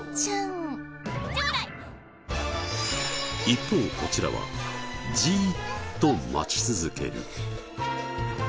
一方こちらはじーっと待ち続ける。